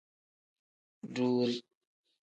Duuri.